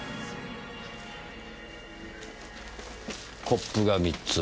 コップが３つ。